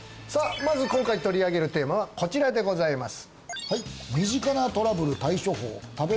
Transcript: まず今回取り上げるテーマはこちらでございます